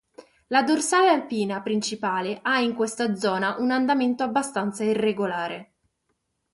La dorsale alpina principale ha in questa zona un andamento abbastanza irregolare.